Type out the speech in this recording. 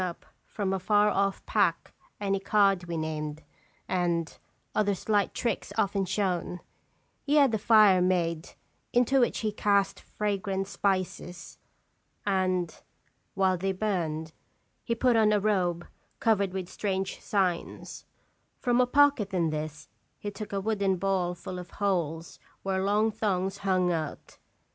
up from a far off pack any card we named, and other slight tricks often shown, he had a fire made, into which he cast fragrant spices, and, while they burned, he put on a robe covered with strange signs ; from a pocket in this he took a wooden ball full of holes where long thongs hung out.